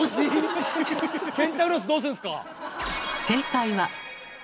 ケンタウロスどうすんすか！